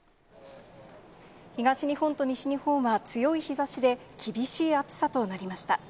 東日本と西日本は、強い日ざしで厳しい暑さとなりました。